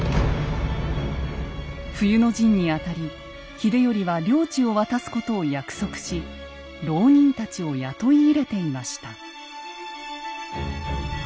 冬の陣にあたり秀頼は領地を渡すことを約束し牢人たちを雇い入れていました。